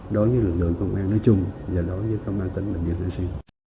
đối với lực lượng công an nói chung và đối với công an tỉnh bình dương